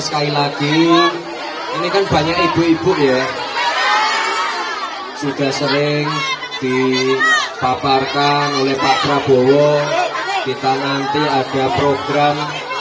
sekali lagi ini kan banyak ibu ibu ya sudah sering dipaparkan oleh pak prabowo kita nanti ada program